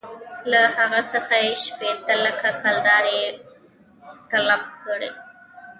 له هغه څخه یې شپېته لکه کلدارې طلب کړې.